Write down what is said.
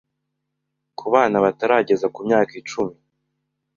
Ku bana batarageza ku myaka icumi